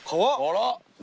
あら！